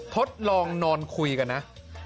ทดลองนอนคุยกันนะ